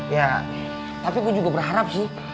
ya tapi gue juga berharap sih